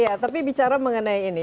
ya tapi bicara mengenai ini